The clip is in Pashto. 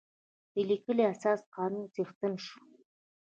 د لیکلي اساسي قانون څښتن شو.